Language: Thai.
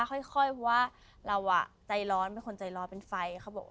ค่อยเพราะว่าเราอ่ะใจร้อนเป็นคนใจร้อนเป็นไฟเขาบอกว่า